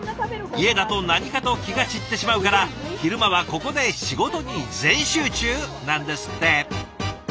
家だと何かと気が散ってしまうから昼間はここで仕事に全集中なんですって。